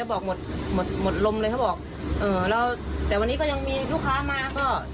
บอกหมดหมดหมดลมเลยเขาบอกเออแล้วแต่วันนี้ก็ยังมีลูกค้ามาก็